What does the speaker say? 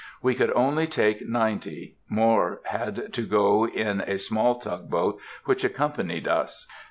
We could only take ninety; more had to go in a small tug boat which accompanied us.